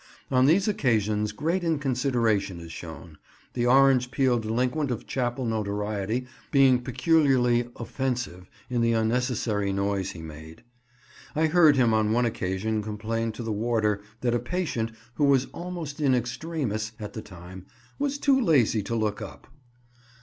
On these occasions great inconsideration is shown, the orange peel delinquent of chapel notoriety being peculiarly offensive in the unnecessary noise he made. I heard him on one occasion complain to the warder, that a patient, who was almost in extremis at the time, was "too lazy to look up."